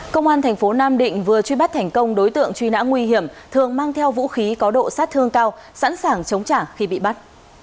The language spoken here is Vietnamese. công an thành phố nam định vừa truy bắt thành công đối tượng truy nã nguy hiểm thường mang theo vũ khí có độ sát thương cao sẵn sàng chống trả khi bị bắt